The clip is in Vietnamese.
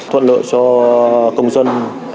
thuận lợi cho công dân